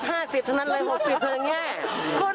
อันนี้อันนี้หกสิบสอง